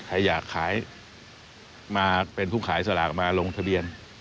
ใครอยากขายมาเป็นผู้ขายสลากมาลงทะเบียน